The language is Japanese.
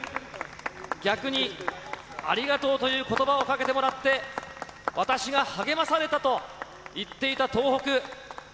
逆にありがとうということばをかけてもらって、私が励まされたと言っていた東北。